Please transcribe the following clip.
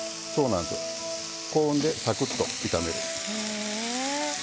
高温でさくっと炒める。